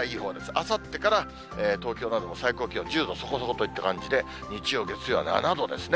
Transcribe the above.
あさってから東京なども最高気温１０度そこそこといった感じで、日曜、月曜は７度ですね。